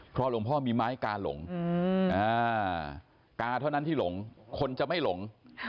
หลวงพ่อมีไม้กาหลงกาเท่านั้นที่หลงคนจะไม่หลง